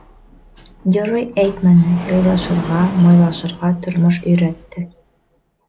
— Герой әйтмәне, яйлашырға, майлашырға тормош өйрәтте.